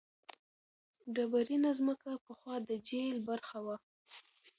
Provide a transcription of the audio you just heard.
ډبرینه ځمکه پخوا د جهیل برخه وه.